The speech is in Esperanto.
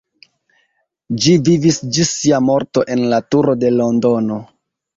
Ĝi vivis ĝis sia morto en la turo de Londono.